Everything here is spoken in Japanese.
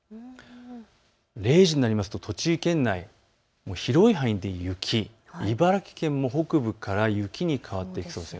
０時になりますと栃木県内、広い範囲で雪、茨城県も北部から雪に変わってきそうです。